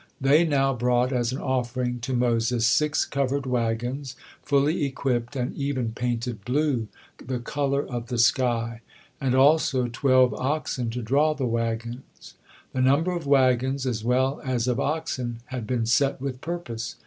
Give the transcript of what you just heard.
They now brought as an offering to Moses six covered wagons, fully equipped, and even painted blue, the color of the sky, and also twelve oxen to draw the wagons. The number of wagons as well as of oxen had been set with purpose.